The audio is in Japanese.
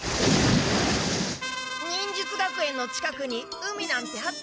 忍術学園の近くに海なんてあったかな？